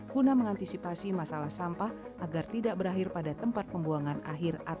guna mengantisipasi masalah sampah agar tidak berakhir pada tempat pembuangan akhir